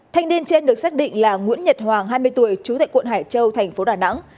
thanh niên trên được xác định là nguyễn nhật hoàng hai mươi tuổi trú tại quận hải châu thành phố đà nẵng